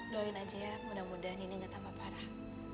doain aja ya mudah mudahan ini gak tambah parah